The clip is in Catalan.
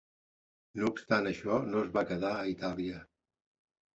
No obstant això, no es va quedar a Itàlia.